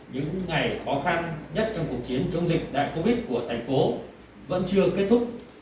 những ngày khó khăn nhất trong cuộc chiến chống dịch đại covid của tp hcm vẫn chưa kết thúc